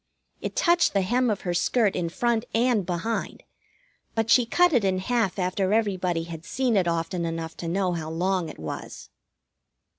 It touched the hem of her skirt in front and behind; but she cut it in half after everybody had seen it often enough to know how long it was.